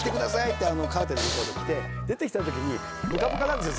カーテンの向こうで着て出てきた時にブカブカなんですよ